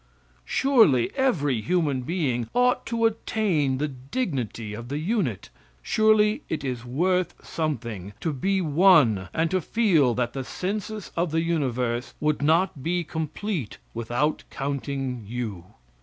Surely every human being ought to attain to the dignity of the unit. Surely it is worth something to be one and to feel that the census of the universe would not be complete without counting you.